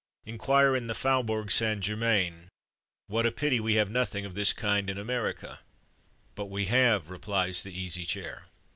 Inquire in the Faubourg St. Germain. What a pity we have nothing of this kind in America." "But we have," replies the Easy Chair.